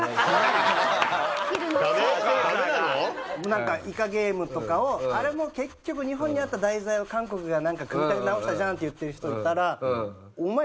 なんか『イカゲーム』とかをあれも結局日本にあった題材を韓国が組み立て直したじゃんって言ってる人がいたら。